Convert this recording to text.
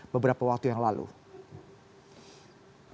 yang membuatnya terlihat lebih berguna